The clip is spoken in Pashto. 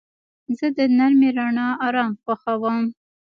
زه د نرمې رڼا آرام خوښوم.